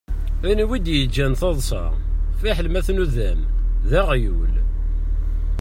Anwa i d-yeǧǧan taḍsa? Fiḥel ma tnudam: D aɣyul.